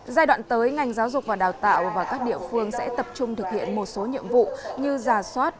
giai đoạn tới ngành giáo dục và đào tạo và các địa phương sẽ tập trung thực hiện một số nhiệm vụ như giả soát